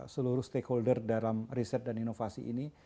seluruh stakeholder dalam riset dan inovasi ini